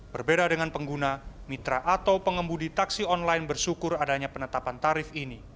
berbeda dengan pengguna mitra atau pengembudi taksi online bersyukur adanya penetapan tarif ini